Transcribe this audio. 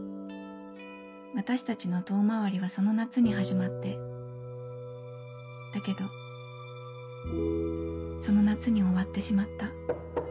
私たちの遠回りはその夏に始まってだけどその夏に終わってしまった。